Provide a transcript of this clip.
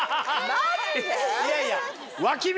マジで？